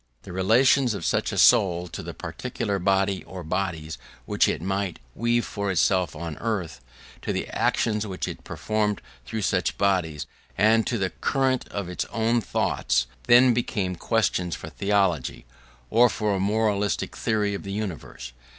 The relations of such a soul to the particular body or bodies which it might weave for itself on earth, to the actions which it performed through such bodies, and to the current of its own thoughts, then became questions for theology, or for a moralistic theory of the universe.